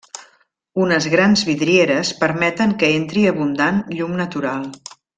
Unes grans vidrieres permeten que entri abundant llum natural.